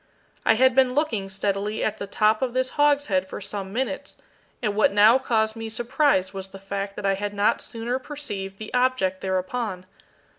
I had been looking steadily at the top of this hogshead for some minutes, and what now caused me surprise was the fact that I had not sooner perceived the object thereupon.